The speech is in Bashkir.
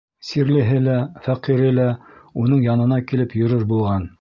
Сирлеһе лә, фәҡире лә уның янына килеп йөрөр булған.